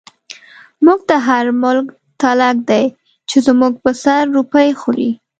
موږ ته هر ملک تلک دی، چی زموږ په سر روپۍ خوری